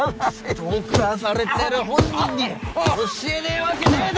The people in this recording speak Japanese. ストーカーされてる本人に教えねぇわけねぇだろ！